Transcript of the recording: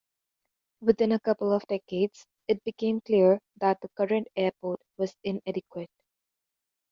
Within a couple of decades, it became clear that the current airport was inadequate.